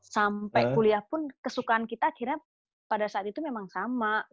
sampai kuliah pun kesukaan kita akhirnya pada saat itu memang sama